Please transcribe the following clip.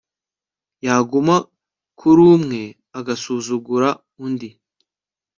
yaguma kuri umwe agasuzugura undi